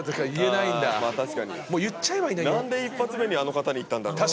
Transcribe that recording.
何で１発目にあの方にいったんだろ？